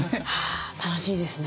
あ楽しみですね。